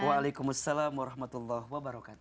waalaikumsalam warahmatullahi wabarakatuh